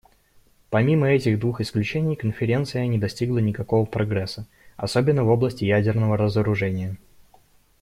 Помимо этих двух исключений, Конференция не достигла никакого прогресса, особенно в области ядерного разоружения.